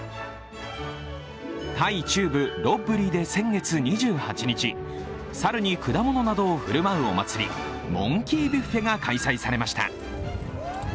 タイ中部ロッブリーで先月２８日、猿に果物などを振る舞うお祭りモンキービュッフェが開催されました。